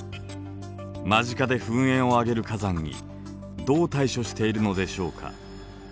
間近で噴煙を上げる火山にどう対処しているのでしょうか。